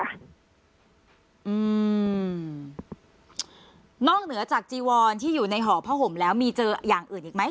อืมนอกเหนือจากจีวอนที่อยู่ในห่อผ้าห่มแล้วมีเจออย่างอื่นอีกไหม